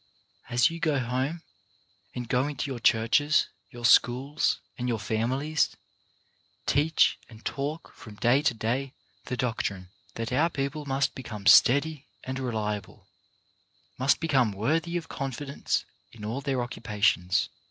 As you go home, and go into your churches, your schools and your families, preach, teach and talk from day to day the doctrine that our people must become steady and reliable, must become worthy of confidence in all their occupations.